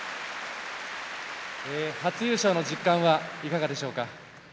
初優勝の実感はいかがでしょうか。